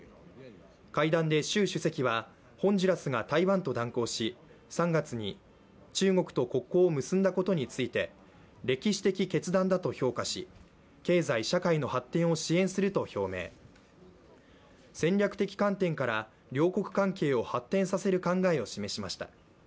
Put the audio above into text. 会談で習主席はホンジュラスが台湾と断交し３月に中国と国交を結んだことについて歴史的決断だと評価し経済・社会の発展を支援すると表明戦略的観点から両国関係を発展させる考えを示しました。